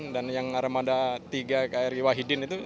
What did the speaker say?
dan yang armada tiga kri wahidin itu